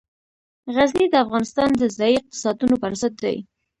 غزني د افغانستان د ځایي اقتصادونو بنسټ دی.